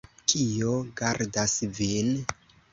Kio gardas vin?